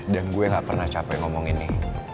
dan gue gak pernah capek ngomong ini